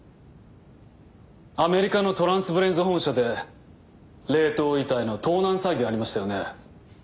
アメリカのトランスブレインズ本社で冷凍遺体の盗難騒ぎがありましたよね。